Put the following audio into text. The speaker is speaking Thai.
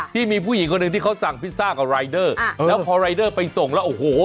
ที่มีผู้หญิงคนหนึ่งที่เขาสั่งพิซซ่ากับรายเดอร์แล้วพอรายเดอร์ไปส่งแล้วโอ้โห